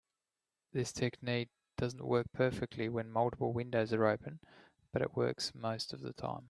This technique doesn't work perfectly when multiple windows are open, but it works most of the time.